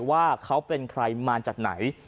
ว่าเขาเป็นใครมาจากไหน